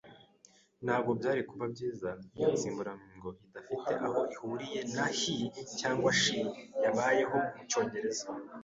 Ntabwo byari kuba byiza iyo insimburangingo idafite aho ihuriye na "he" cyangwa "she" yabayeho mu Cyongereza?